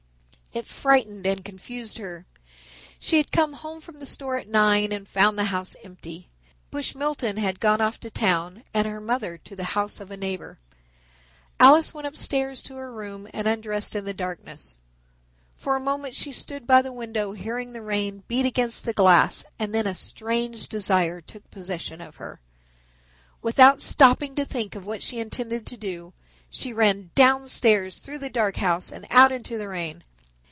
It frightened and confused her. She had come home from the store at nine and found the house empty. Bush Milton had gone off to town and her mother to the house of a neighbor. Alice went upstairs to her room and undressed in the darkness. For a moment she stood by the window hearing the rain beat against the glass and then a strange desire took possession of her. Without stopping to think of what she intended to do, she ran downstairs through the dark house and out into the rain.